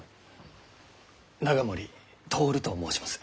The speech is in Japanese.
永守徹と申します。